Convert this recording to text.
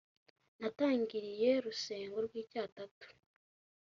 Natangiiriye Rusengo rw'icy'atatu